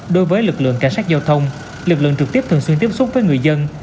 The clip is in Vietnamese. đối với lực lượng cảnh sát giao thông lực lượng trực tiếp thường xuyên tiếp xúc với người dân